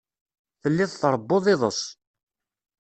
Telliḍ tṛewwuḍ iḍes.